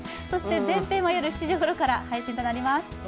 そして全編は夜７時ごろから配信となります。